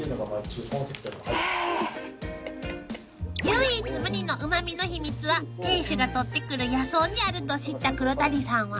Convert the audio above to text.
［唯一無二のうま味の秘密は店主がとってくる野草にあると知った黒谷さんは］